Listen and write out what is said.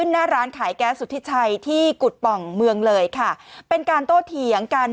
หน้าร้านขายแก๊สสุธิชัยที่กุฎป่องเมืองเลยค่ะเป็นการโต้เถียงกัน